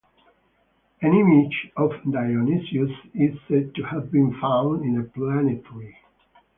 An image of Dionysus is said to have been found in a plane-tree.